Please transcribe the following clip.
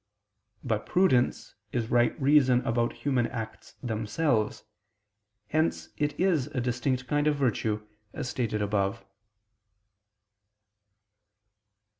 But prudence is right reason about human acts themselves: hence it is a distinct kind of virtue, as stated above.